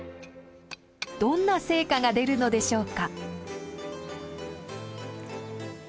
どんな成果が出るのでしょうか？